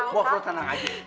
mofrok tenang aja